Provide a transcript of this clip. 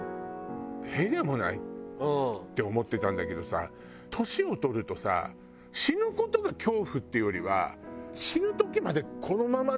屁でもないって思ってたんだけどさ年を取るとさ死ぬ事が恐怖っていうよりは。